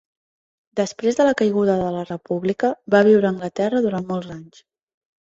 Després de la caiguda de la república, va viure a Anglaterra durant molts anys.